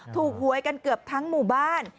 หวยกันเกือบทั้งหมู่บ้าน